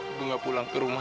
ibu nggak pulang ke rumah